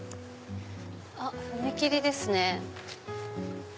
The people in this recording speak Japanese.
あっ踏切ですね。